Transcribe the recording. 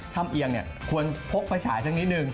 ถ้ำเอียงควรพกประฉายซักนิดนึง